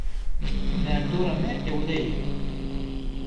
Derdora me ewle ye.